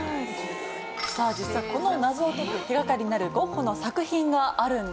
さあ実はこの謎を解く手掛かりになるゴッホの作品があるんです。